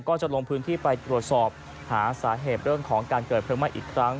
ก็จะลงพื้นที่ไปตรวจสอบหาสาเหตุเรื่องของการเกิดเพลิงไหม้อีกครั้ง